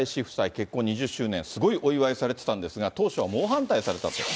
結婚２０周年、すごいお祝いされてたんですが、当初は猛反対されたと。